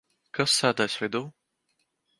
Kas sēdēs vidū?